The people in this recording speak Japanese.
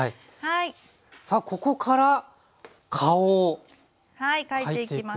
さあここから顔を描いていくんですね。